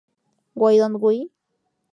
Why Don't We?".